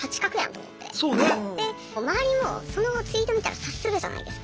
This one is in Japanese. で周りもそのツイート見たら察するじゃないですか。